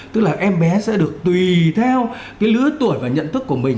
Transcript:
tức là em bé sẽ được tùy theo cái lứa tuổi và nhận thức của mình